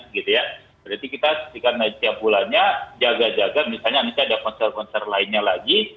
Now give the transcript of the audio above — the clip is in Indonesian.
berarti kita sisihkan aja tiap bulannya jaga jaga misalnya ada konser konser lainnya lagi